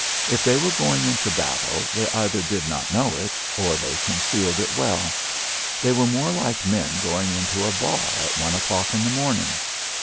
If they were going into battle, they either did not know it or they concealed it well. They were more like men going into a bar at one o'clock in the morning.